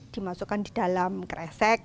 dimasukkan di dalam keresek